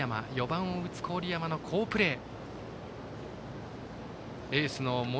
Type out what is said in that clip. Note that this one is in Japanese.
４番を打つ郡山の好プレー。